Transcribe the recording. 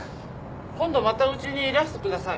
今度またうちにいらしてください。